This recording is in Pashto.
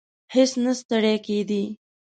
هیڅ نه ستړی کېدی.